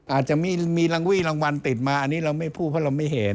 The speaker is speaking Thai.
อาจจะมีรังวี่รางวัลติดมาอันนี้เราไม่พูดเพราะเราไม่เห็น